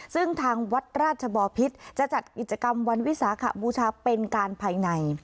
ซึ่งทางวัดราชบอพิษจะจัดกิจกรรมวันวิสาขบูชาเป็นการภายใน